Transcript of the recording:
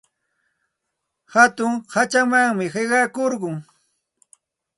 Hatun hachamanmi qiqakurqun.